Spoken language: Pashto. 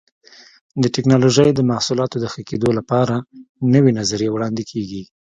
د ټېکنالوجۍ د محصولاتو د ښه کېدلو لپاره نوې نظریې وړاندې کېږي.